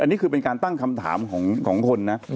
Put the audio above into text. อันนี้คือเป็นการตั้งคำถามของคนนะ